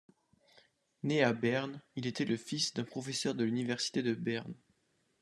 Né à Berne, il était le fils d'un professeur de l'Université de Berne.